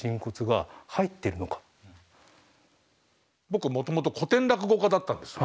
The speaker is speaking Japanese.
僕もともと古典落語家だったんです。